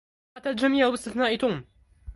أتى الجميع باستثناء توم.